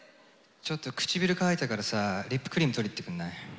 ちょっと唇乾いたからさリップクリーム取りに行ってくんない？